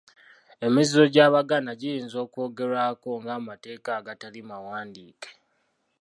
Emizizo gy'Abaganda giyinza okwogerwako nga amateeka agatali mawandiike.